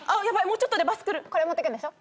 もうちょっとでバス来るこれ持っていくんでしょ？